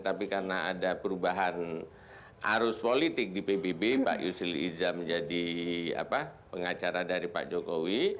tapi karena ada perubahan arus politik di pbb pak yusril iza menjadi pengacara dari pak jokowi